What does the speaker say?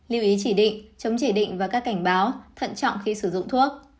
lưu ý chỉ định chống chỉ định và các cảnh báo thận trọng khi sử dụng thuốc